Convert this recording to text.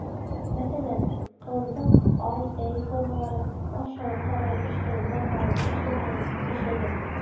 Мәҫәлән, ҡылымдың -ай, -әй формалары: ашай, ҡарай, эшләй, бармайым, эшләмәйем, эшләмәйбеҙ.